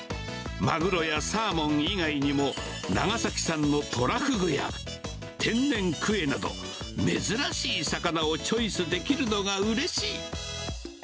マグロやサーモン以外にも、長崎産のトラフグや、天然クエなど、珍しい魚をチョイスできるのがうれしい。